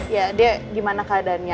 ya dia gimana keadaannya